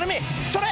それ！